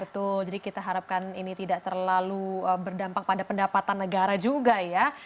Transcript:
betul jadi kita harapkan ini tidak terlalu berdampak pada pendapatan negara juga ya